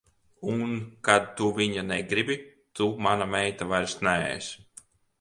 Un kad tu viņa negribi, tu mana meita vairs neesi.